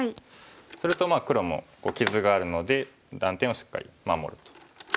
すると黒も傷があるので断点をしっかり守ると。